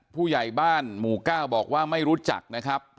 ผู้ใหญ่บ้านหมู่ก้าวบอกว่าไม่รู้จักนะครับ